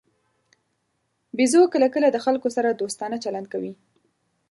بیزو کله کله د خلکو سره دوستانه چلند کوي.